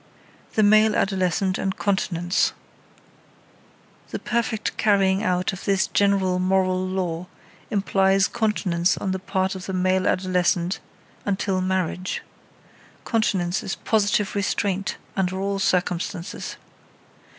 THE MALE ADOLESCENT AND CONTINENCE The perfect carrying out of this general moral law implies continence on the part of the male adolescent until marriage. Continence is positive restraint under all circumstances.